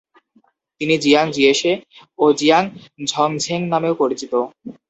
তিনি Jiang Jieshi বা Jiang ঝংঝেং নামেও পরিচিত।